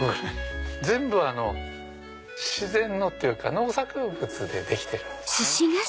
全部自然のっていうか農作物でできてるんです。